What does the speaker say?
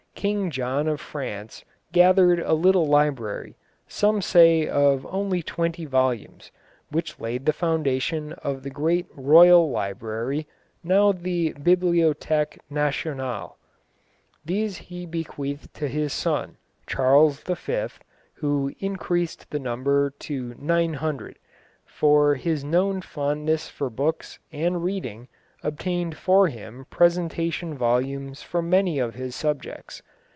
King John of France gathered a little library, some say of only twenty volumes, which laid the foundation of the great Royal Library, now the Bibliothèque Nationale. These he bequeathed to his son, Charles V., who increased the number to nine hundred, for his known fondness for books and reading obtained for him presentation volumes from many of his subjects.